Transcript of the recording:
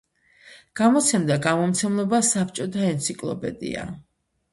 გამოსცემდა გამომცემლობა „საბჭოთა ენციკლოპედია“.